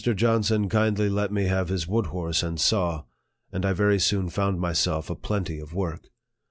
Johnson kindly let me have his wood horse and saw, and I very soon found myself a plenty of work.